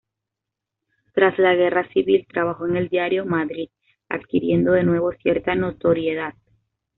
Tras la Guerra Civil, trabajó en el diario "Madrid", adquiriendo de nuevo cierta notoriedad.